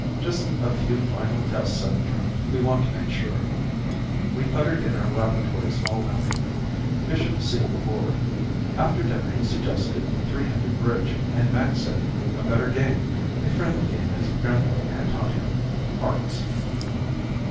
"Just a few final tests, Senator. We want to make sure." We puttered in our laboratories all afternoon. Bishop seemed bored. After dinner he suggested three handed bridge and Max said he knew a better game, a friendly game his grandmother had taught him hearts.